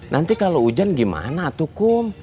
nanti kalau hujan gimana tuh kum